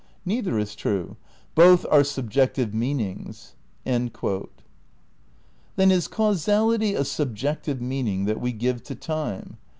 Neither is true. Both are subjective mean ings." Then is causality a subjective meaning that we give to time?